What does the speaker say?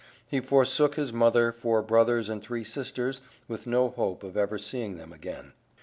He forsook his mother, four brothers and three sisters with no hope of ever seeing them again.